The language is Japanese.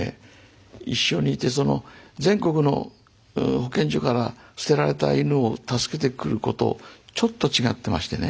一緒にいて全国の保健所から捨てられた犬を助けてくる子とちょっと違ってましてね。